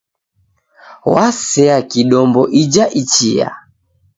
W'asea kidombo ija ichia.